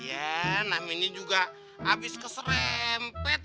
iya naminya juga habis keserempet